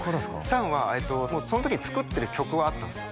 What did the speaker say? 「ＳＵＮ」はその時に作ってる曲はあったんですよ